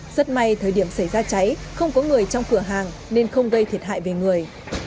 rất may thời điểm xảy ra cháy không có người trong cửa hàng nên không gây thiệt hại về người